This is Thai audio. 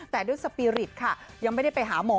แต่ด้วยสปีริตค่ะยังไม่ได้ไปหาหมอ